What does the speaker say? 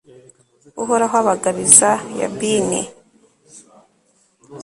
uhoraho abagabiza yabini